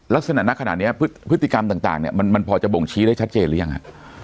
ลักษณะนักขนาดนี้พฤติกรรมต่างเนี่ยมันพอจะบ่งชี้ได้ชัดเจนหรือยังฮะ